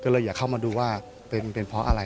ก็เลยอยากเข้ามาดูว่าเป็นเพราะอะไร